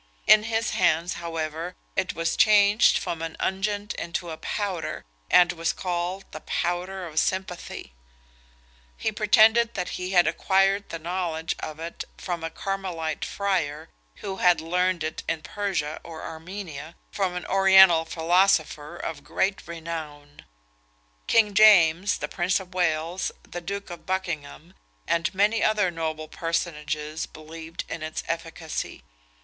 In his hands, however, it was changed from an unguent into a powder, and was called the powder of sympathy. He pretended that he had acquired the knowledge of it from a Carmelite friar, who had learned it in Persia or Armenia, from an oriental philosopher of great renown. King James, the Prince of Wales, the Duke of Buchingham, and many other noble personages, believed in its efficacy.